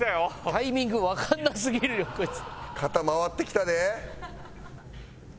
タイミングわかんなすぎるよこいつ。